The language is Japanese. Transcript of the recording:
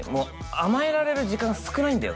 甘えられる時間少ないんだよ